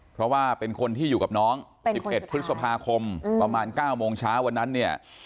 เพราะว่าเป็นคนที่อยู่กับน้อง๑๑พฤษภาคมประมาณ๙โมงเช้าวันนั้นเนี่ย